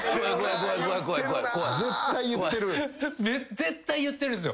絶対言ってるんすよ！